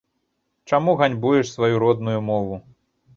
Чаму ганьбуеш сваю родную мову?